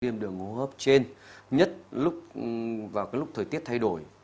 viêm đường hô hốp trên nhất vào lúc thời tiết thay đổi